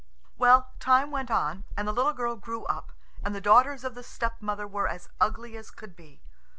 Well, time went on, and the little girl grew up, and the daughters of the stepmother were as ugly as could be.